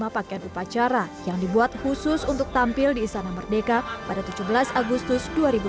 lima pakaian upacara yang dibuat khusus untuk tampil di istana merdeka pada tujuh belas agustus dua ribu dua puluh